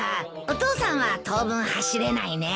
お父さんは当分走れないね。